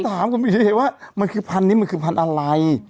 มันก็ไม่ได้เห็นว่ามันคือพันธุ์นี้มันคือพันธุ์อะไร